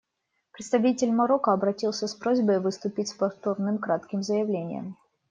Представитель Марокко обратился с просьбой выступить с повторным кратким заявлением.